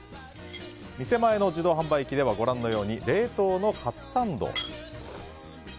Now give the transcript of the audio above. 店前の自動販売機ではご覧のように冷凍のカツサンドを。